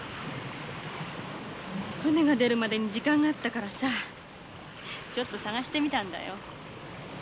船が出るまでに時間があったからさちょっと探してみたんだよ。